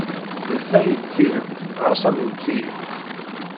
D ta ay d tidet, ɣas amnet-iyi!